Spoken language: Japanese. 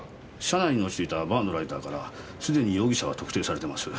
車内に落ちていたバーのライターからすでに容疑者は特定されてます。